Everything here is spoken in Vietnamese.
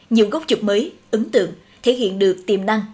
nhiều gốc chụp mới ứng tượng thể hiện được tiềm năng